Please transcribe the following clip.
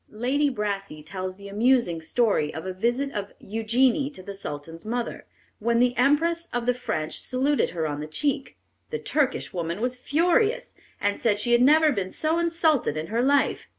Lady Brassey tells the amusing story of a visit of Eugenie to the Sultan's mother, when the Empress of the French saluted her on the cheek. The Turkish woman was furious, and said she had never been so insulted in her life.